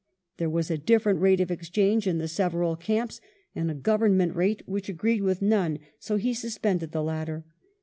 There was a different rate of exchange in the several camps, and a government rate which agreed with none, so he suspended the latter.